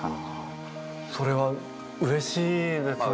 それはうれしいですよね。